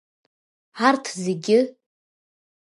Арҭ зегьы…